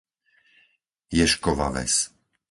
Ježkova Ves